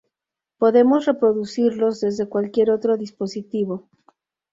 Podemos reproducirlos desde cualquier otro dispositivo.